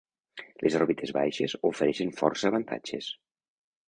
Les òrbites baixes ofereixen força avantatges.